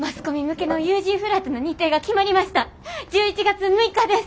１１月６日です！